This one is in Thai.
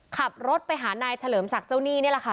ขับรถไปหานายเฉลิมศักดิ์เจ้าหนี้นี่แหละค่ะ